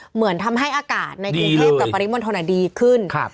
เหมือนทำให้อากาศในกรุงเทพกับปริมณฑลดีขึ้น